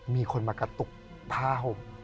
มีคนมากระตุกผ้าห่ม